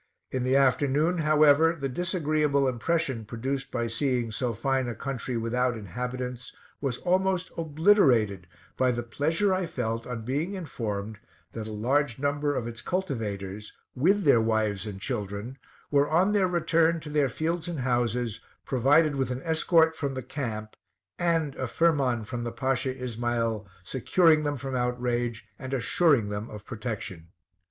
In the afternoon, however, the disagreeable impression produced by seeing so fine a country without inhabitants was almost obliterated by the pleasure I felt on being informed that a large number of its cultivators, with their wives and children, were on their return to their fields and houses, provided with an escort from the camp, and a firman from the Pasha Ismael, securing them from outrage, and assuring them of protection.